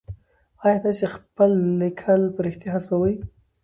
آيا تاسي خپل ليکل په رښتيا حذفوئ ؟